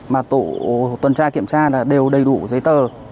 mà tổ tuần tra kiểm tra là đều đầy đủ giấy tờ